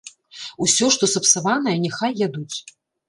Усё, што сапсаванае, няхай ядуць.